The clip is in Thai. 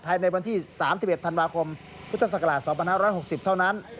ภายในวันที่๓๑ธันวาคมพุทธศักราช๒๕๖๐เท่านั้น